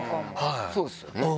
そうですよね。